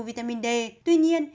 vitamin d tuy nhiên